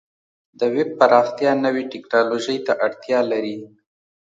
د ویب پراختیا نوې ټکنالوژۍ ته اړتیا لري.